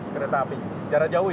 kereta api jarak jauh ya